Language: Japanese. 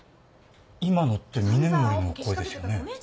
今のって峰森の声ですよね？